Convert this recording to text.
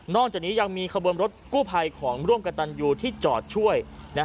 จากนี้ยังมีขบวนรถกู้ภัยของร่วมกับตันยูที่จอดช่วย